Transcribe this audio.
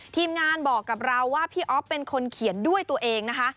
ทีมงานบอกกับเราว่าพี่อ๊อฟเป็นคนเขียนด้วยตัวเองนะคะ